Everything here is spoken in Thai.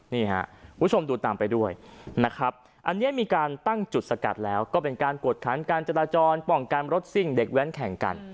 นี่ครับคุณผู้ชมดูตามไปด้วยนะครับอันนี้มีการตั้งจุดสกัดแล้วก็เป็นการกวดคันการจราจรป้องกันรถซิ่งเด็กแว้นแข่งกัน